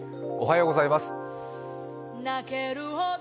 おはようございます。